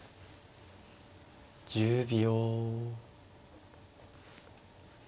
１０秒。